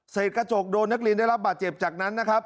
กระจกโดนนักเรียนได้รับบาดเจ็บจากนั้นนะครับ